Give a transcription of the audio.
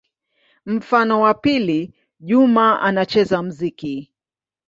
Mfano wa pili: Juma anacheza muziki.